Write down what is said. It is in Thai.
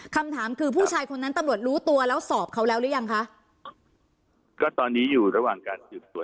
คำถามคือผู้ชายคนนั้นตำรวจรู้ตัวแล้วสอบเขาคงแล้วหรือยังคะ